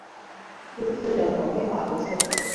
苏斯人口变化图示